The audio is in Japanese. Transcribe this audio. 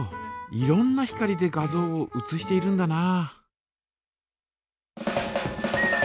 いろんな光で画像を写しているんだな。